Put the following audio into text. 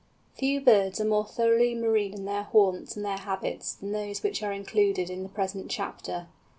_ Few birds are more thoroughly marine in their haunts and their habits than those which are included in the present chapter.